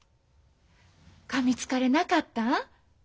噛みつかれなかったん？